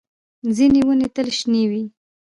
ځینې ونې تل شنې وي